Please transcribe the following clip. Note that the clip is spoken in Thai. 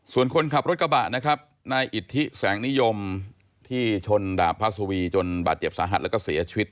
ส่วนคนขับรถกระบะนะครับนายอิทธิแสงนิยมที่ชนดาบพระสุวีจนบาดเจ็บสาหัสแล้วก็เสียชีวิต